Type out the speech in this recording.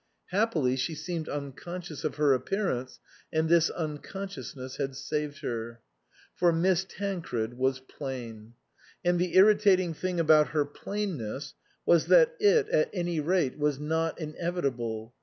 Happily she seemed unconscious of her appearance, and this unconsciousness had saved her. For Miss Tancred was plain ; and the irritating thing about her plainness was that it, at any 8 INLAND rate, was not inevitable.